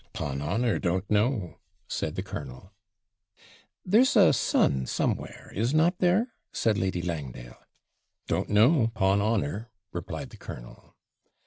''Pon honour, don't know,' said the colonel. 'There's a son, somewhere, is not there?' said Lady Langdale. 'Don't know, 'pon honour,' replied the colonel.